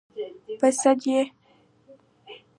_ په سد يې؟